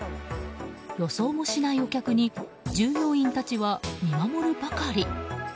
予想もしないお客に従業員たちは見守るばかり。